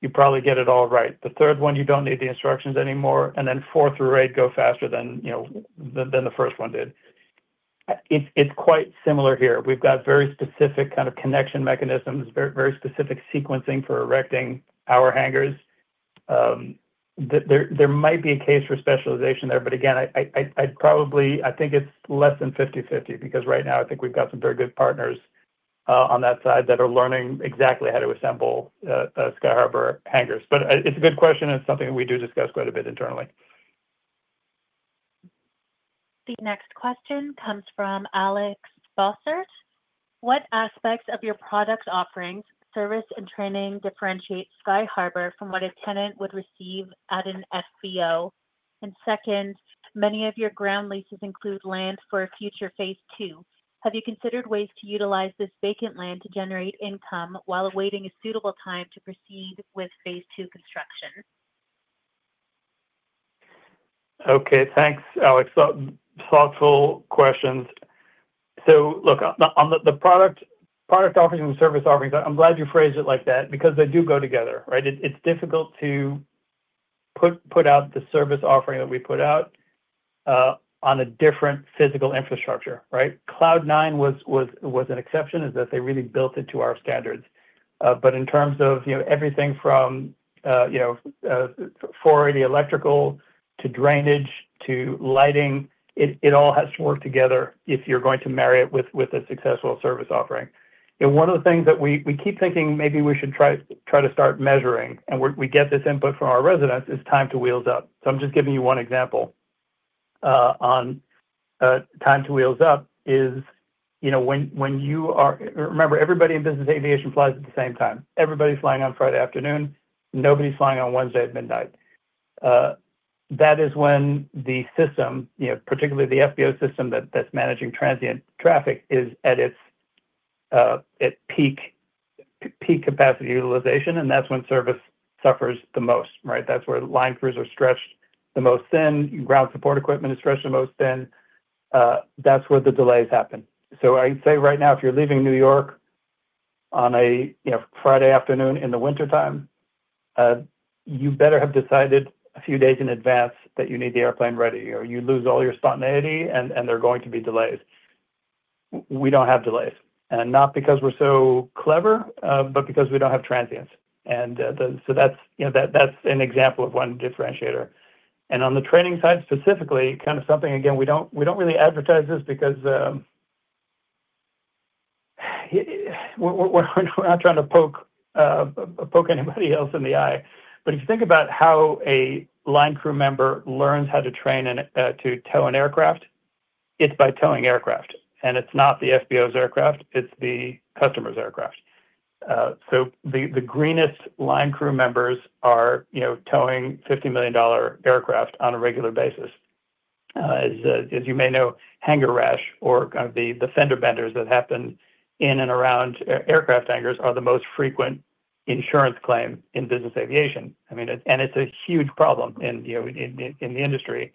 you probably get it all right. The third one, you don't need the instructions anymore. The fourth, you're ready to go faster than the first one did. It's quite similar here. We've got very specific connection mechanisms, very specific sequencing for erecting our hangars. There might be a case for specialization there, but again, I think it's less than 50-50 because right now I think we've got some very good partners on that side that are learning exactly how to assemble Sky Harbour hangars. It's a good question, and it's something that we do discuss quite a bit internally. The next question comes from Alex Foster. What aspects of your product offerings, service, and training differentiate Sky Harbour from what a tenant would receive at an SBO? Second, many of your ground leases include land for a future phase II. Have you considered ways to utilize this vacant land to generate income while awaiting a suitable time to proceed with phase II construction? Okay, thanks, Alex. Thoughtful questions. Look, on the product offerings and service offerings, I'm glad you phrased it like that because they do go together, right? It's difficult to put out the service offering that we put out on a different physical infrastructure, right? CloudNine was an exception in that they really built it to our standards. In terms of, you know, everything from, you know, for the electrical to drainage to lighting, it all has to work together if you're going to marry it with a successful service offering. One of the things that we keep thinking maybe we should try to start measuring, and we get this input from our residents, is time to wheels up. I'm just giving you one example. Time to wheels up is, you know, when you are, remember, everybody in business aviation flies at the same time. Everybody's flying on Friday afternoon. Nobody's flying on Wednesday at midnight. That is when the system, particularly the FBO system that's managing transient traffic, is at its peak capacity utilization, and that's when service suffers the most, right? That's where line crews are stretched the most thin, ground support equipment is stretched the most thin. That's where the delays happen. I'd say right now, if you're leaving New York on a Friday afternoon in the wintertime, you better have decided a few days in advance that you need the airplane ready, or you lose all your spontaneity, and there are going to be delays. We don't have delays, and not because we're so clever, but because we don't have transients. That's an example of one differentiator. On the training side specifically, kind of something, again, we don't really advertise this because we're not trying to poke anybody else in the eye. If you think about how a line crew member learns how to train and to tow an aircraft, it's by towing aircraft, and it's not the FBO's aircraft, it's the customer's aircraft. The greenest line crew members are, you know, towing $50 million aircraft on a regular basis. As you may know, hangar rash or kind of the fender benders that happen in and around aircraft hangars are the most frequent insurance claim in business aviation. I mean, and it's a huge problem in the industry.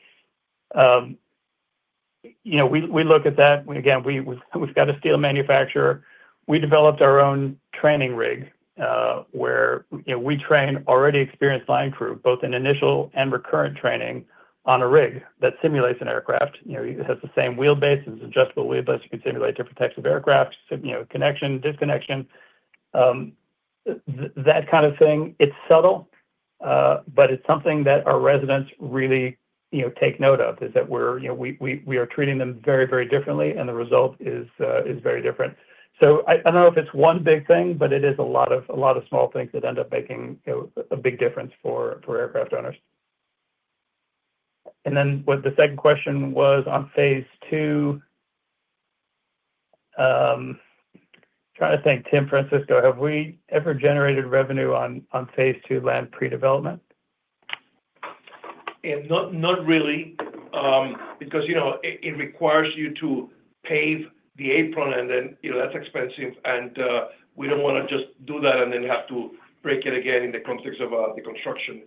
We look at that. Again, we've got a steel manufacturer. We developed our own training rig where, you know, we train already experienced line crew, both in initial and recurrent training on a rig that simulates an aircraft. It has the same wheelbase. It's an adjustable wheelbase. You can simulate different types of aircraft, connection, disconnection, that kind of thing. It's subtle, but it's something that our residents really take note of, is that we are treating them very, very differently, and the result is very different. I don't know if it's one big thing, but it is a lot of small things that end up making a big difference for aircraft owners. What the second question was on phase II, I'm trying to think, Tim, Francisco, have we ever generated revenue on phase II land pre-development? Not really, because it requires you to pave the apron, and that's expensive, and we don't want to just do that and then have to break it again in the context of the construction.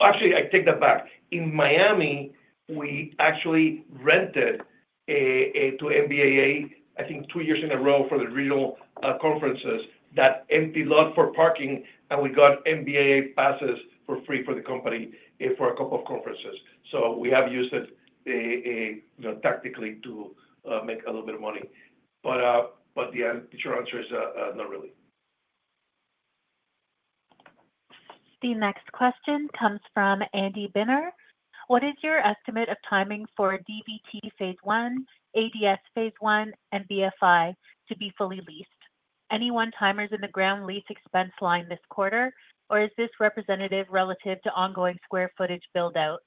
Actually, I take that back. In Miami, we actually rented to NBAA, I think, two years in a row for the regional conferences, that empty lot for parking, and we got NBAA passes for free for the company for a couple of conferences. We have used it tactically to make a little bit of money. The answer is not really. The next question comes from Randy Binner. What is your estimate of timing for DBT phase I, ADS phase II, and BFI to be fully leased? Any one-timers in the ground lease expense line this quarter, or is this representative relative to ongoing square footage buildout?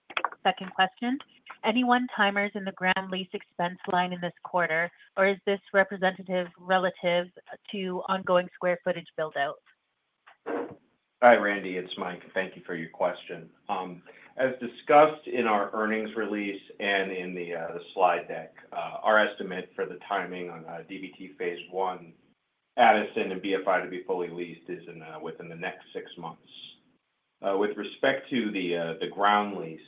Second question, any one-timers in the ground lease expense line in this quarter, or is this representative relative to ongoing square footage buildout? Hi, Randy, it's Mike. Thank you for your question. As discussed in our earnings release and in the slide deck, our estimate for the timing on DBT phase I, Addison, and BFI to be fully leased is within the next six months. With respect to the ground lease,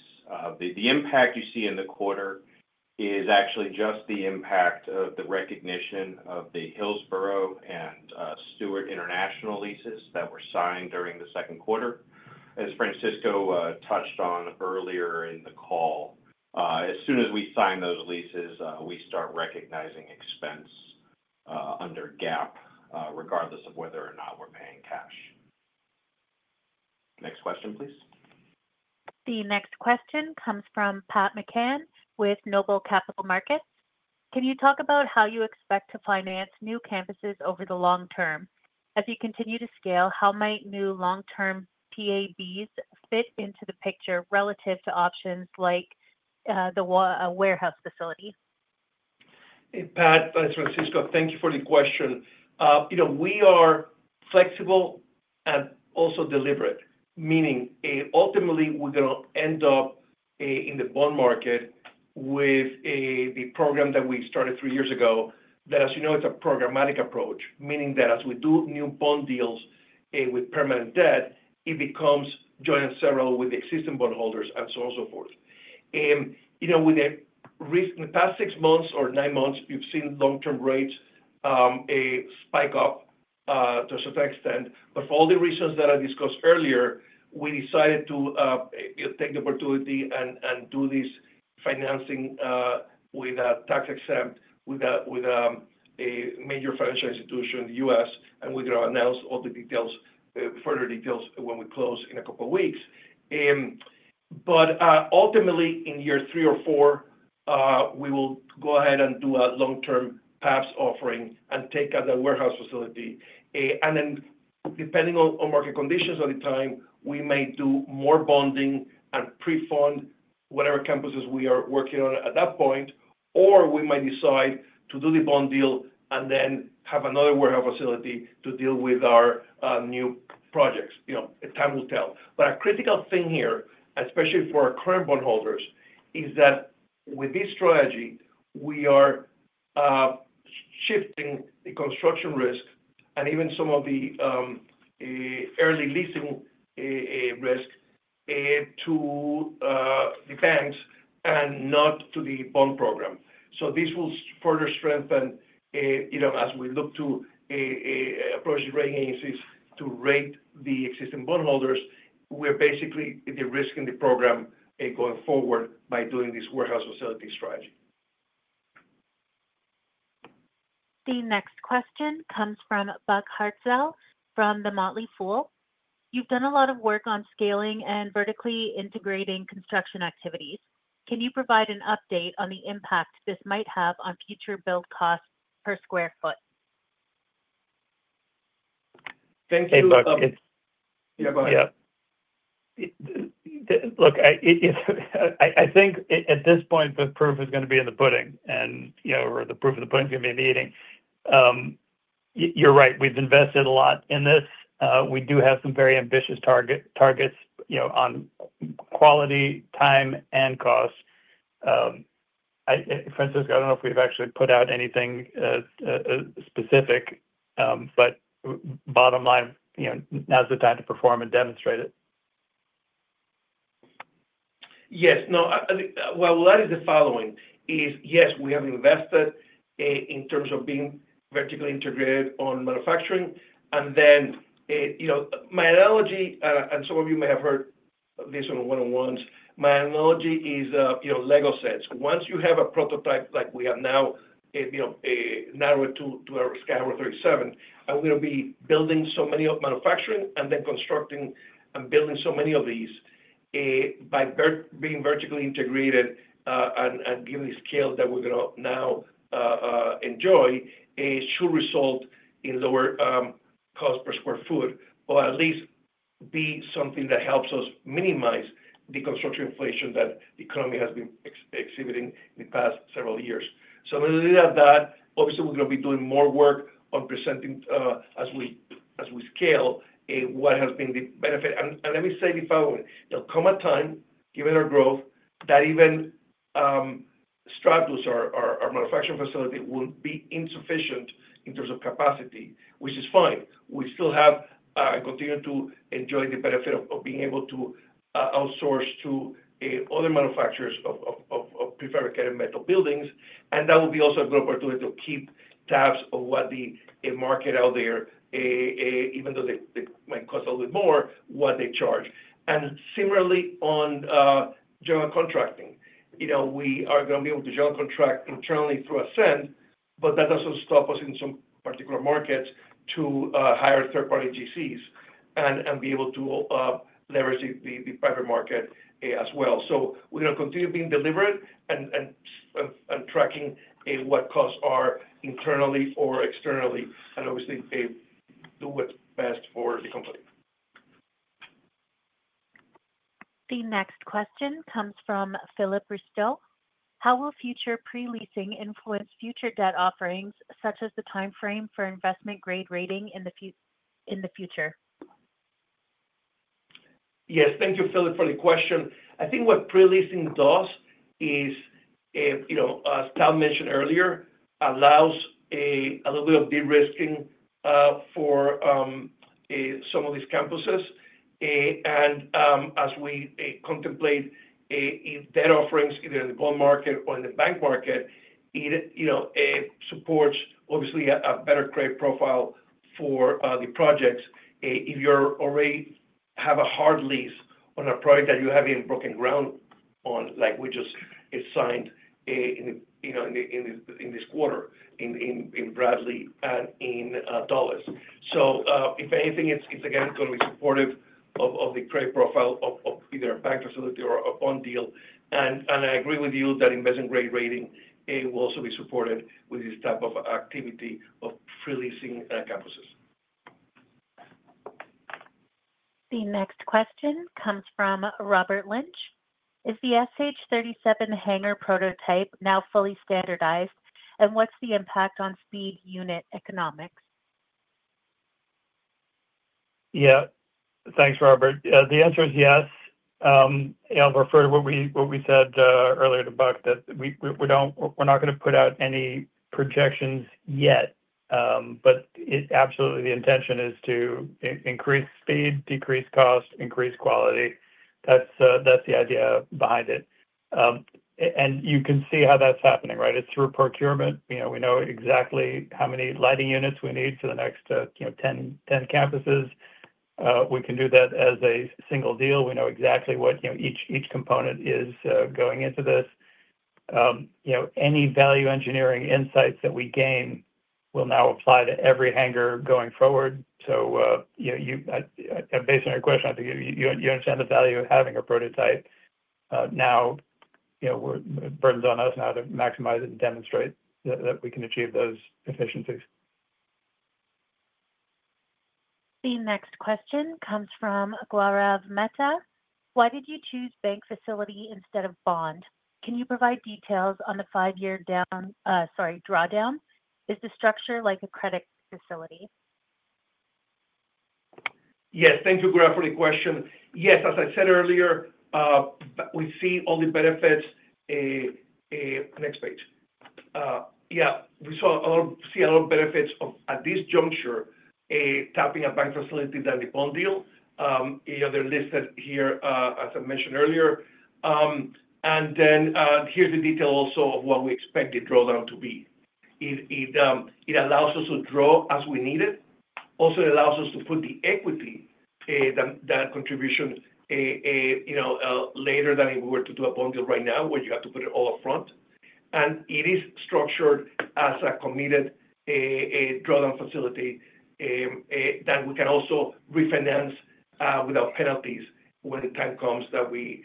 the impact you see in the quarter is actually just the impact of the recognition of the Hillsborough and Stewart International leases that were signed during the second quarter. As Francisco touched on earlier in the call, as soon as we sign those leases, we start recognizing expense under GAAP, regardless of whether or not we're paying cash. Next question, please. The next question comes from Pat McCann with NOBLE Capital Markets. Can you talk about how you expect to finance new campuses over the long term? As you continue to scale, how might new long-term PABs fit into the picture relative to options like the warehouse facility? Pat, Francisco, thank you for the question. We are flexible and also deliberate, meaning ultimately we're going to end up in the bond market with the program that we started three years ago that, as you know, is a programmatic approach, meaning that as we do new bond deals with permanent debt, it becomes joint and several with the existing bondholders and so on and so forth. With the recent past six months or nine months, you've seen long-term rates spike up to a certain extent. For all the reasons that I discussed earlier, we decided to take the opportunity and do this financing with a tax-exempt with a major financial institution in the U.S., and we're going to announce all the details, further details when we close in a couple of weeks. Ultimately, in year three or four, we will go ahead and do a long-term PAPS offering and take out that warehouse facility. Depending on market conditions at the time, we may do more bonding and pre-fund whatever campuses we are working on at that point, or we might decide to do the bond deal and then have another warehouse facility to deal with our new projects. Time will tell. A critical thing here, especially for our current bondholders, is that with this strategy, we are shifting the construction risk and even some of the early leasing risk to the fans and not to the bond program. This will further strengthen, as we look to approach rating agencies to rate the existing bondholders, we're basically risking the program going forward by doing this warehouse facility strategy. The next question comes from Buck Hartzell from The Motley Fool. You've done a lot of work on scaling and vertically integrating construction activities. Can you provide an update on the impact this might have on future build costs per square foot? Thank you, Buck. Go ahead. I think at this point, the proof is going to be in the pudding, or the proof of the pudding is going to be in the eating. You're right. We've invested a lot in this. We do have some very ambitious targets on quality, time, and cost. Francisco, I don't know if we've actually put out anything specific, but bottom line, now's the time to perform and demonstrate it. Yes. That is the following, yes, we have invested in terms of being vertically integrated on manufacturing. My analogy, and some of you may have heard this on one-on-ones, is Lego sets. Once you have a prototype like we have now, narrowed to our SH37. I'm going to be building so many manufacturing and then constructing and building so many of these. By being vertically integrated and given the scale that we're going to now enjoy, it should result in lower cost per square foot, or at least be something that helps us minimize the construction inflation that the economy has been exhibiting in the past several years. When we look at that, obviously, we're going to be doing more work on presenting as we scale what has been the benefit. Let me say it, if I will, there'll come a time, given our growth, that even Stratus, our manufacturing facility, will be insufficient in terms of capacity, which is fine. We still have continued to enjoy the benefit of being able to outsource to other manufacturers of prefabricated metal buildings. That will be also a good opportunity to keep tabs on what the market out there, even though it might cost a little bit more, what they charge. Similarly, on general contracting, we are going to be able to general contract internally through Ascend, but that doesn't stop us in some particular markets to hire third-party GCs and be able to leverage the private market as well. We're going to continue being deliberate and tracking what costs are internally or externally, and obviously do what's best for the company. The next question comes from Philip Rustill. How will future pre-leasing influence future debt offerings, such as the timeframe for investment grade rating in the future? Yeah, thank you, Philip, for the question. I think what pre-leasing does is, you know, as Tal mentioned earlier, allows a little bit of de-risking for some of these campuses. As we contemplate debt offerings, either in the bond market or in the bank market, it supports obviously a better credit profile for the projects. If you already have a hard lease on a project that you haven't even broken ground on, like we just assigned in this quarter in Bradley and in Dulles, it's again going to be supportive of the credit profile of either a bank facility or a bond deal. I agree with you that investment grade rating will also be supported with this type of activity of pre-leasing campuses. The next question comes from Robert Lynch. Is the SH37 hangar prototype now fully standardized, and what's the impact on speed unit economics? Yeah, thanks, Robert. The answer is yes. I'll refer to what we said earlier to Buck, that we don't, we're not going to put out any projections yet, but absolutely, the intention is to increase speed, decrease cost, increase quality. That's the idea behind it. You can see how that's happening, right? It's through procurement. We know exactly how many lighting units we need for the next 10 campuses. We can do that as a single deal. We know exactly what each component is going into this. Any value engineering insights that we gain will now apply to every hangar going forward. Based on your question, I think you understand the value of having a prototype. Now, it burns on us now to maximize it and demonstrate that we can achieve those efficiencies. The next question comes from Gaurav Mehta. Why did you choose bank facility instead of bond? Can you provide details on the five-year drawdown? Is the structure like a credit facility? Yes, thank you, Guarav, for the question. Yes, as I said earlier, we see all the benefits. Next page. Yeah, we saw a lot of benefits at this juncture, tapping a bank facility than the bond deal. They are listed here, as I mentioned earlier. Here is the detail also of what we expect the drawdown to be. It allows us to draw as we need it. It also allows us to put the equity, that contribution, later than if we were to do a bond deal right now, where you have to put it all up front. It is structured as a committed drawdown facility that we can also refinance without penalties when the time comes that we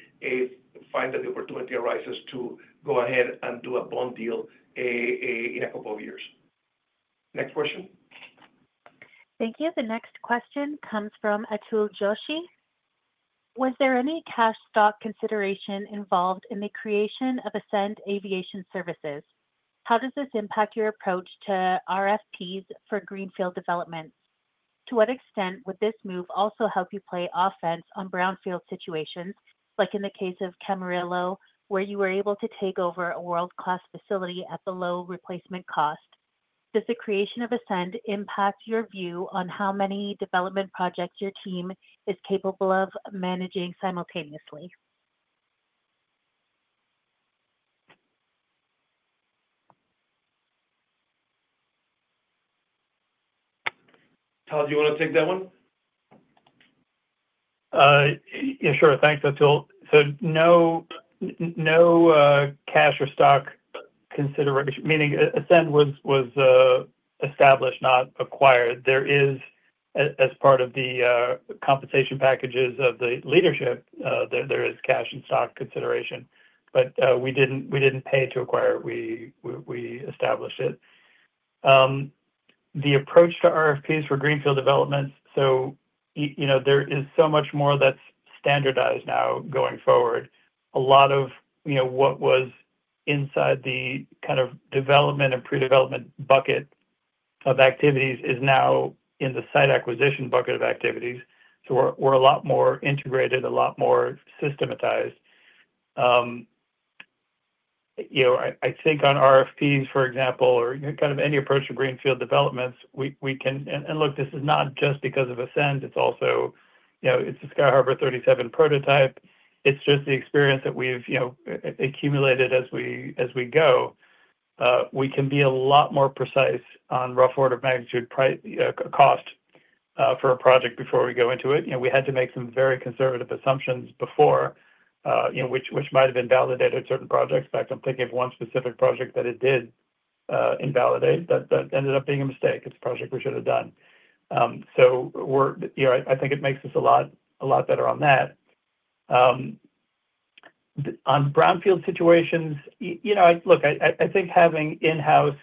find that the opportunity arises to go ahead and do a bond deal in a couple of years. Next question. Thank you. The next question comes from Atul Joshi. Was there any cash stock consideration involved in the creation of Ascend Aviation Services? How does this impact your approach to RFPs for greenfield developments? To what extent would this move also help you play offense on brownfield situations, like in the case of Camarillo, where you were able to take over a world-class facility at the low replacement cost? Does the creation of Ascend impact your view on how many development projects your team is capable of managing simultaneously? Tal, do you want to take that one? Yeah, sure. Thanks, Atul. No cash or stock consideration, meaning Ascend was established, not acquired. There is, as part of the compensation packages of the leadership, cash and stock consideration, but we didn't pay to acquire it. We established it. The approach to RFPs for greenfield developments, there is so much more that's standardized now going forward. A lot of what was inside the kind of development and pre-development bucket of activities is now in the site acquisition bucket of activities. We're a lot more integrated, a lot more systematized. I think on RFPs, for example, or any approach to greenfield developments, we can, and look, this is not just because of Ascend. It's also the SH37 prototype. It's just the experience that we've accumulated as we go. We can be a lot more precise on rough order of magnitude price, cost for a project before we go into it. We had to make some very conservative assumptions before, which might have invalidated certain projects. In fact, I'm thinking of one specific project that it did invalidate. That ended up being a mistake. It's a project we should have done. I think it makes us a lot better on that. On brownfield situations, I think having in-house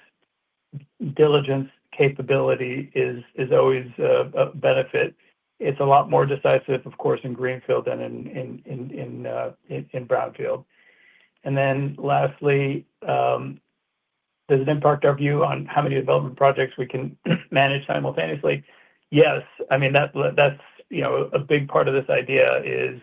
diligence capability is always a benefit. It's a lot more decisive, of course, in greenfield than in brownfield. Lastly, does it impact our view on how many development projects we can manage simultaneously? Yes. That's a big part of this idea.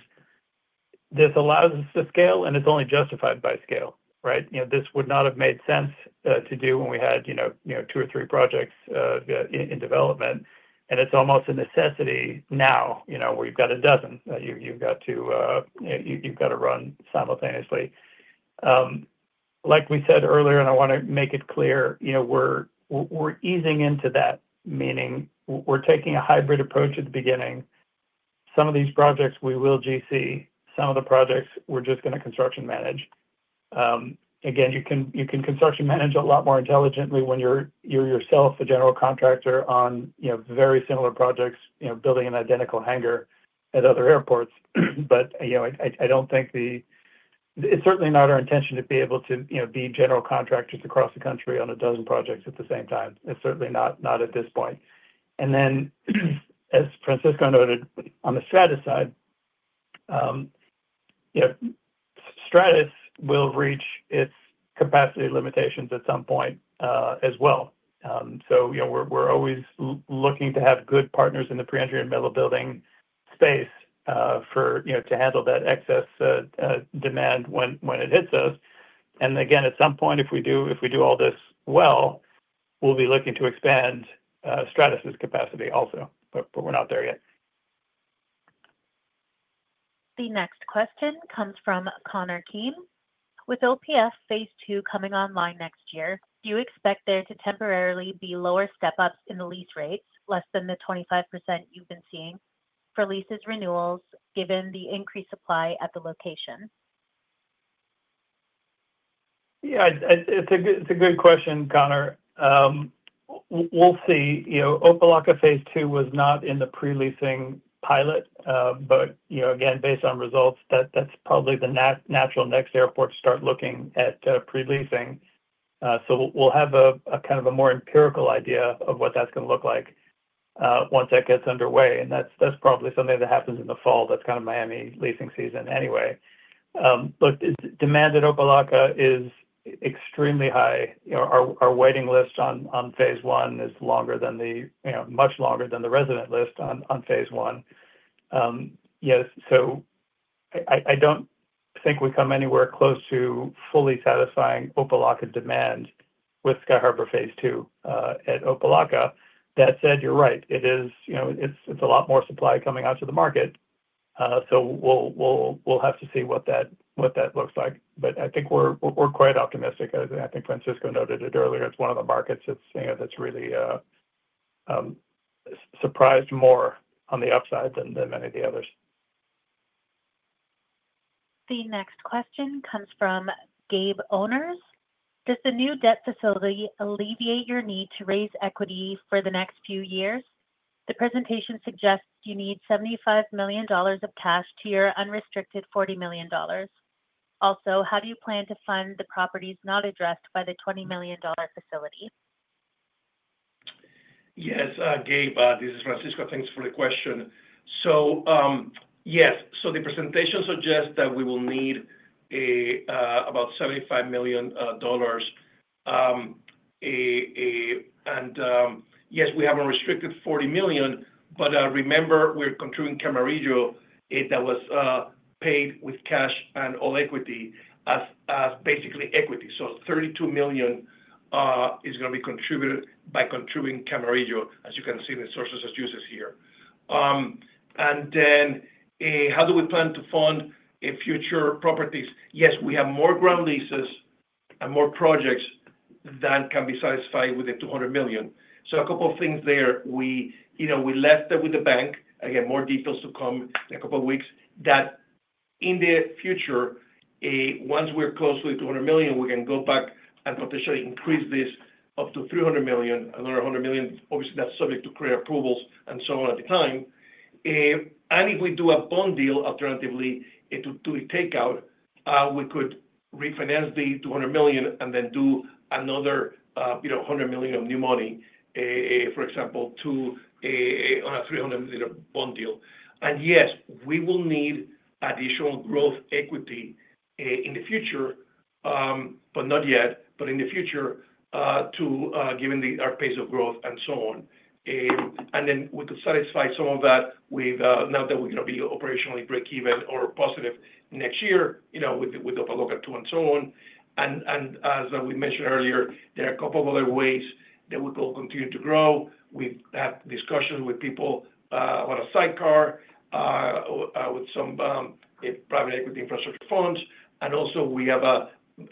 This allows us to scale, and it's only justified by scale, right? This would not have made sense to do when we had two or three projects in development. It's almost a necessity now, where you've got a dozen. You've got to run simultaneously. Like we said earlier, and I want to make it clear, we're easing into that, meaning we're taking a hybrid approach at the beginning. Some of these projects we will GC. Some of the projects we're just going to construction manage. Again, you can construction manage a lot more intelligently when you're yourself a general contractor on very similar projects, building an identical hangar at other airports. I don't think it's certainly our intention to be able to be general contractors across the country on a dozen projects at the same time. It's certainly not at this point. As Francisco noted, on the Stratus side, Stratus will reach its capacity limitations at some point as well. We're always looking to have good partners in the pre-engineered metal building space to handle that excess demand when it hits us. At some point, if we do all this well, we'll be looking to expand Stratus' capacity also, but we're not there yet. The next question comes from Connor Keim. With OPF phase II coming online next year, do you expect there to temporarily be lower step-ups in the lease rates, less than the 25% you've been seeing for lease renewals, given the increased supply at the location? Yeah, it's a good question, Connor. We'll see. Opa-Locka Phase II was not in the pre-leasing pilot, but, again, based on results, that's probably the natural next airport to start looking at pre-leasing. We'll have a more empirical idea of what that's going to look like once that gets underway. That's probably something that happens in the fall. That's kind of Miami leasing season anyway. Look, demand at Opa-Locka is extremely high. Our waiting list on phase I is much longer than the resident list on phase I. I don't think we come anywhere close to fully satisfying Opa-Locka demand with Sky Harbour phase II at Opa-Locka. That said, you're right. It is a lot more supply coming out to the market. We'll have to see what that looks like. I think we're quite optimistic. I think Francisco noted it earlier. It's one of the markets that's really surprised more on the upside than many of the others. The next question comes from Gabe Owners. Does the new debt facility alleviate your need to raise equity for the next few years? The presentation suggests you need $75 million of cash to your unrestricted $40 million. Also, how do you plan to fund the properties not addressed by the $20 million facility? Yes, Gabe, this is Francisco. Thanks for the question. Yes, the presentation suggests that we will need about $75 million. We have unrestricted $40 million, but remember, we're contributing Camarillo that was paid with cash and all equity as basically equity. $32 million is going to be contributed by contributing Camarillo, as you can see the sources that use it here. How do we plan to fund future properties? We have more ground leases and more projects that can be satisfied with the $200 million. A couple of things there. We left that with the bank. More details to come in a couple of weeks that in the future, once we're close to the $200 million, we can go back and potentially increase this up to $300 million. Another $100 million, obviously, that's subject to credit approvals and so on at the time. If we do a bond deal alternatively to the takeout, we could refinance the $200 million and then do another $100 million of new money, for example, to a $300 million bond deal. We will need additional growth equity in the future, but not yet, but in the future, given our pace of growth and so on. We could satisfy some of that with now that we're going to be operationally break-even or positive next year, you know, with Opa-Locka II and so on. As we mentioned earlier, there are a couple of other ways that we could continue to grow. We've had discussions with people on a sidecar with some private equity infrastructure funds. Also, we have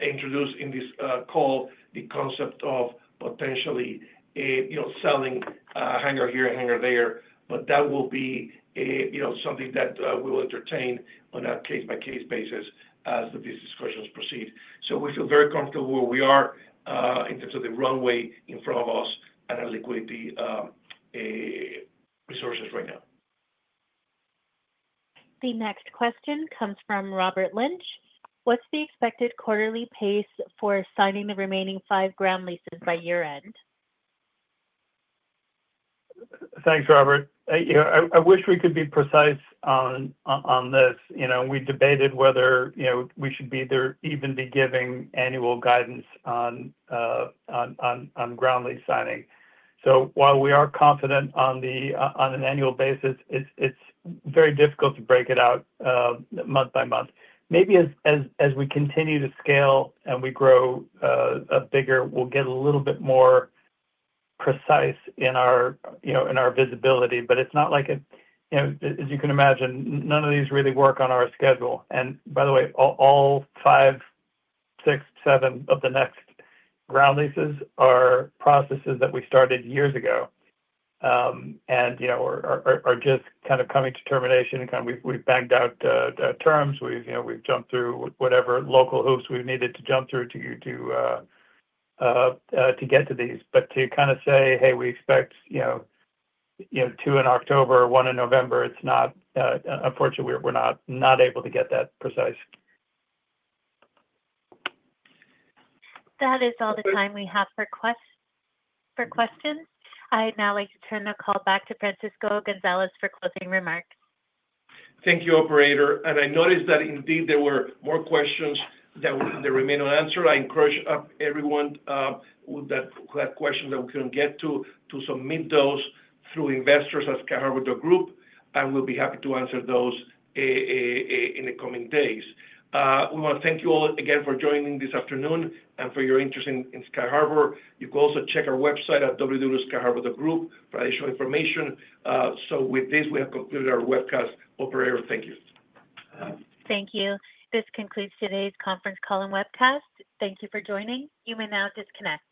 introduced in this call the concept of potentially, you know, selling 100. That will be something that we will entertain on a case-by-case basis as these discussions proceed. We feel very comfortable where we are in terms of the runway in front of us and our liquidity resources right now. The next question comes from Robert Lynch. What's the expected quarterly pace for assigning the remaining five groud leases by year-end? Thanks, Robert. I wish we could be precise on this. We debated whether we should even be giving annual guidance on ground lease signing. While we are confident on an annual basis, it's very difficult to break it out month by month. Maybe as we continue to scale and we grow bigger, we'll get a little bit more precise in our visibility. It's not like it, as you can imagine, none of these really work on our schedule. By the way, all five, six, seven of the next ground leases are processes that we started years ago and are just kind of coming to termination. We've banged out terms. We've jumped through whatever local hoops we've needed to jump through to get to these. To kind of say, "Hey, we expect two in October, one in November," unfortunately, we're not able to get that precise. That is all the time we have for questions. I'd now like to turn the call back to Francisco Gonzalez for closing remarks. Thank you, operator. I noticed that, indeed, there were more questions that remain unanswered. I encourage everyone that had questions that we couldn't get to, to submit those through investors at Sky Harbour Group, and we'll be happy to answer those in the coming days. We want to thank you all again for joining this afternoon and for your interest in Sky Harbour. You can also check our website at www.skyharbourgroup.com for additional information. With this, we have completed our webcast, operator. Thank you. Thank you. This concludes today's conference call and webcast. Thank you for joining. You may now disconnect.